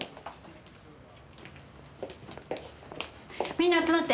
みんな集まって。